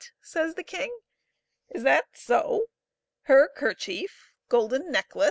says the king, "is that so? her kerchief! golden necklace!